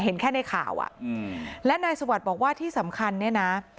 เห็นแค่ในข่าวอ่ะอืมและนายสวัสดิ์บอกว่าที่สำคัญเนี่ยนะ